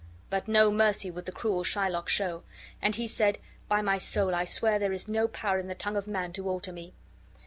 But no mercy would the cruel Shylock show; and he said, "By my soul, I swear there is no power in the tongue of man to alter me."